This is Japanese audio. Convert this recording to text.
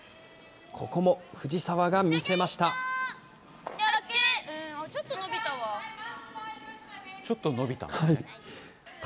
ここも藤澤が見せました。